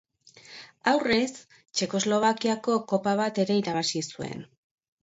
Aurrez Txekoslovakiako kopa bat ere irabazi zuen.